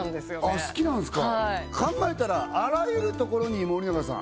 あっ好きなんすか考えたらあらゆるところに森永さん